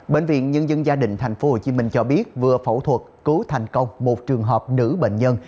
bệnh viện nhân dân gia đình tp hcm cho biết vừa phẫu thuật cứu thành công một trường hợp nữ bệnh nhân